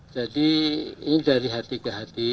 jadi ini dari hati hati